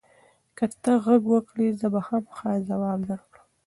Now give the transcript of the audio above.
که ته غږ وکړې، زه به خامخا ځواب درکړم.